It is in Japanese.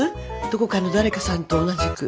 どこの誰かさんと同じく。